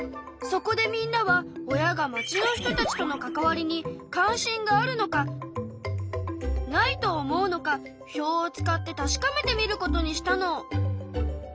そこでみんなは親が町の人たちとの関わりに関心があるのかないと思うのか表を使って確かめてみることにしたの。